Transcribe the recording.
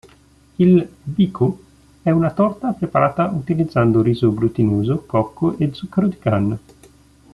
Il "biko" è una torta preparata utilizzando riso glutinoso, cocco e zucchero di canna.